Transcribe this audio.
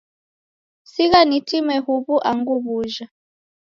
Sigha nitime huw'u angu w'uja.